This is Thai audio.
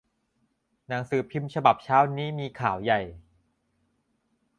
หนังสือพิมพ์ฉบับเช้านี้มีข่าวใหญ่